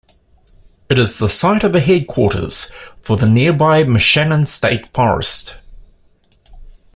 It is the site of the headquarters for the nearby Moshannon State Forest.